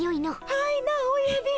はいなおやびん。